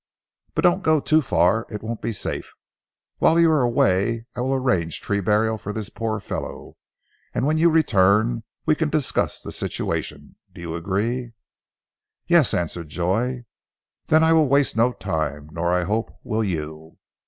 But don't go too far. It won't be safe. Whilst you are away, I will arrange tree burial for this poor fellow. And when you return we can discuss the situation. Do you agree?" "Yes," answered Joy. "Then I will waste no time, nor, I hope, will you."